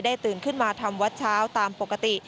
ตื่นขึ้นมาทำวัดเช้าตามปกติ